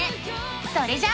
それじゃあ。